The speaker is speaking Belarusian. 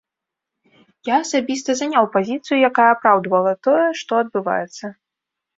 Я асабіста заняў пазіцыю, якая апраўдвала тое, што адбываецца.